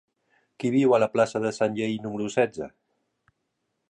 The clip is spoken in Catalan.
Qui viu a la plaça de Sanllehy número setze?